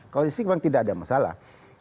kalau di stik memang tidak ada masalah